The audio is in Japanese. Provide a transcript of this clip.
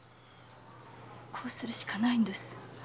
こうするしかないんです。